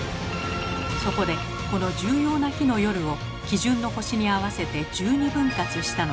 そこでこの重要な日の夜を基準の星に合わせて１２分割したのです。